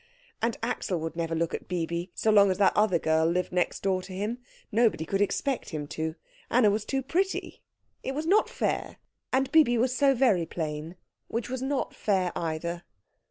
And Axel would never look at Bibi so long as that other girl lived next door to him; nobody could expect him to. Anna was too pretty; it was not fair. And Bibi was so very plain; which was not fair either.